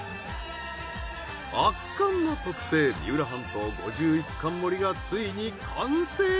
圧巻の特製三浦半島５１貫盛りがついに完成！